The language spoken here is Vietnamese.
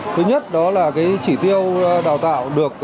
thứ nhất đó là chỉ tiêu đào tạo